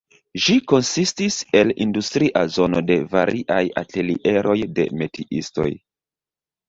Ĝi konsistis el industria zono de variaj atelieroj de metiistoj.